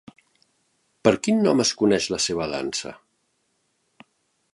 Per quin nom es coneix la seva dansa?